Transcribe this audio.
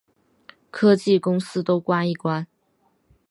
科技公司都关一关